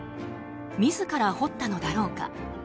自ら掘ったのだろうか。